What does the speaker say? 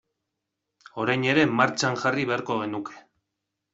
Orain ere martxan jarri beharko genuke.